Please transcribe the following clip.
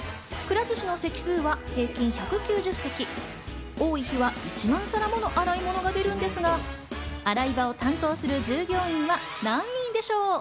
くら寿司の席数は平均１９０席、多い日は１万皿もの洗い物が出るんですが、洗い場を担当する従業員は何人でしょう？